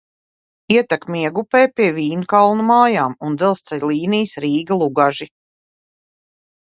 Ietek Miegupē pie Vīnkalnu mājām un dzelzceļa līnijas Rīga–Lugaži.